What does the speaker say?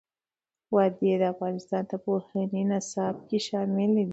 وادي د افغانستان د پوهنې نصاب کې شامل دي.